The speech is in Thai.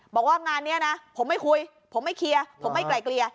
บอกว่างานนี้นะผมไม่คุยผมไม่เคลียร์ผมไม่ไกลเกลี่ย